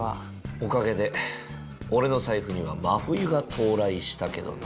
おかげで俺の財布には真冬が到来したけどな。